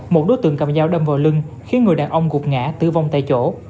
một đối tượng cầm dao đâm vào lưng khiến người đàn ông gục ngã tử vong tại chỗ